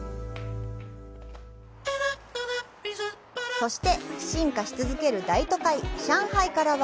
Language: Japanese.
そして、進化し続ける大都会「上海」からは